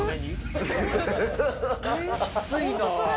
きついな。